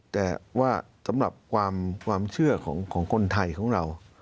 แต่ว่าสำหรับความเชื่อของคนไทยของเรา